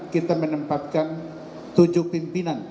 kita menempatkan tujuh pimpinan